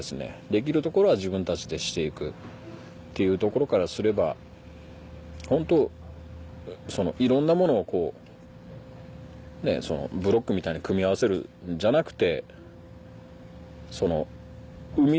できるところは自分たちでして行くっていうところからすればホントいろんなものをブロックみたいに組み合わせるんじゃなくて。